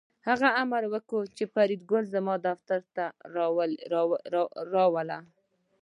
هغه امر وکړ چې فریدګل زما دفتر ته راوله